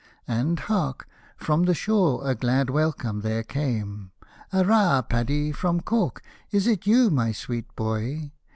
And, hark I from the shore a glad welcome there came —" Arrah, Paddy from Cork, is it you, my sweet boy